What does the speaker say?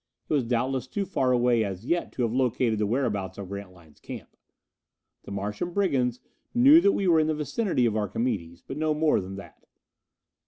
It was doubtless too far away as yet to have located the whereabouts of Grantline's camp. The Martian brigands knew that we were in the vicinity of Archimedes, but no more than that.